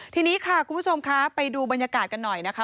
ทีนี้ค่ะคุณผู้ชมคะไปดูบรรยากาศกันหน่อยนะคะ